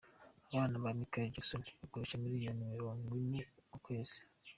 Abana ba Michael Jackson bakoresha miliyoni Mirongo Ine mu kwezi